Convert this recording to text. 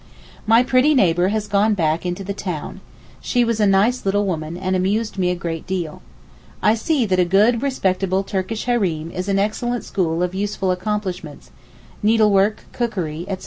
My pretty neighbour has gone back into the town. She was a nice little woman, and amused me a good deal. I see that a good respectable Turkish hareem is an excellent school of useful accomplishments—needlework, cookery, etc.